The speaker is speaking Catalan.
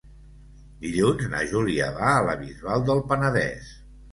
Dilluns na Júlia va a la Bisbal del Penedès.